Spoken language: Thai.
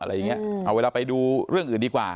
เอาเวลาไปดูเรื่องอื่นดีกว่า